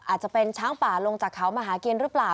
อาจจะเป็นช้างป่าลงจากเขามาหากินหรือเปล่า